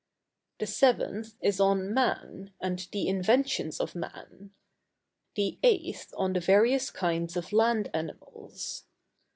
The 7th is on Man, and the Inventions of Man. The 8th on the various kinds of Land Animals.